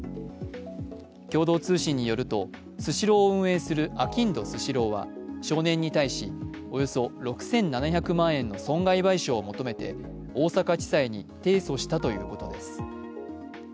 共同通信によるとスシローを運営するあきんどスシローは少年に対し、およそ６７００万円の損害賠償を求めて、大阪地裁に提訴したということです。